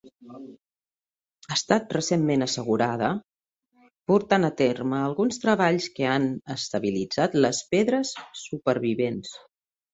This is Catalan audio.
Ha estat recentment assegurada, portant a terme alguns treballs que han estabilitzat les pedres supervivents.